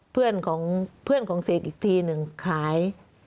เพื่อนของเศษอีกทีหนึ่งขาย